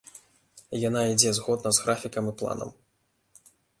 Яна ідзе згодна з графікам і планам.